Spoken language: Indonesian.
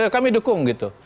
kami dukung gitu